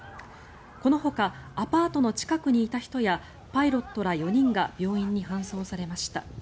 このほかアパートの近くにいた人やパイロットら４人が病院に搬送されました。